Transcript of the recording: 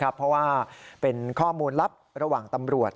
เพราะว่าเป็นข้อมูลลับระหว่างตำรวจ